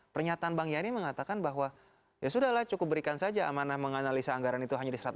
pernyataan bang yani mengatakan bahwa ya sudah lah cukup berikan saja amanah menganalisa anggaran itu hanya di satu ratus lima